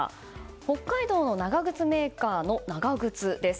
北海道の長靴メーカーの長靴です。